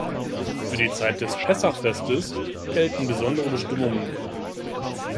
Für die Zeit des "Pessach-Festes" gelten besondere Bestimmungen.